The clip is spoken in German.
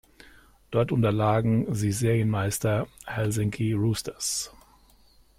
Dort unterlagen sie Serienmeister Helsinki Roosters.